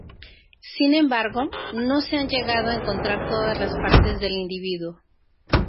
Sin embargo, no se han llegado a encontrar todas las partes del individuo.